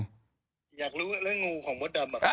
อยากรู้เรื่องงูของมดดำ